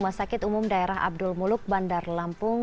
rumah sakit umum daerah abdul muluk bandar lampung